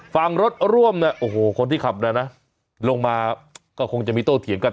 ฝั่งรถร่วมเนี่ยโอ้โหคนที่ขับน่ะนะลงมาก็คงจะมีโต้เถียงกัน